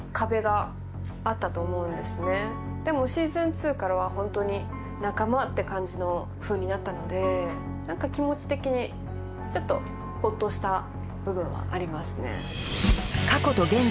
でも「Ｓｅａｓｏｎ２」からは本当に仲間って感じのふうになったので何か気持ち的にちょっとホッとした部分はありますね。